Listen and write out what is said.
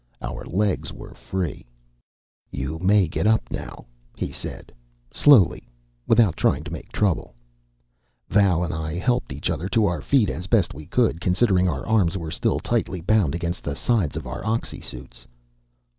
Our legs were free. "You may get up now," he said. "Slowly, without trying to make trouble." Val and I helped each other to our feet as best we could, considering our arms were still tightly bound against the sides of our oxysuits.